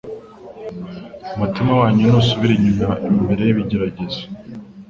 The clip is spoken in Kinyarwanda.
Umutima wanyu nusubira inyuma imbere y'ibigeragezo,